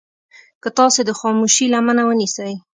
که تاسې د خاموشي لمنه ونيسئ.